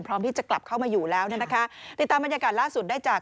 พร้อมที่จะกลับเข้ามาอยู่แล้วติดตามบรรยากาศล่าสุดได้จาก